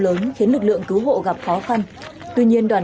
thực hiện được cái việc giải cứu được cháu bé an toàn